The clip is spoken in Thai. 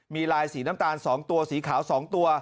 มีลายสีน้ำตาล๒ตัวสีขาว๒ตัว